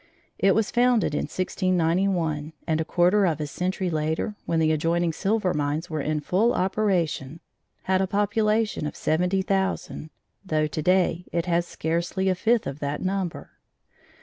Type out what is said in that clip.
It was founded in 1691 and a quarter of a century later, when the adjoining silver mines were in full operation, had a population of 70,000, though today it has scarcely a fifth of that number.